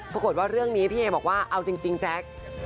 ปรากฏว่าเรื่องนี้พี่เอบอกว่าเอาจริงแจ๊ค